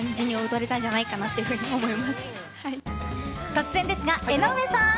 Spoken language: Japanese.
突然ですが、江上さん！